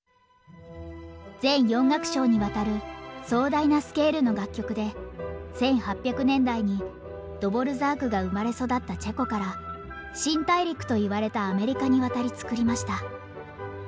全４楽章にわたる壮大なスケールの楽曲で１８００年代にドヴォルザークが生まれ育ったチェコから新大陸と言われたアメリカに渡り作りました。